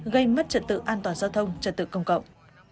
gây mất trật tự an toàn giao thông trật tự công cộng